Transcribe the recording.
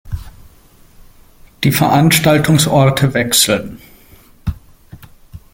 Die Veranstaltungsorte wechseln.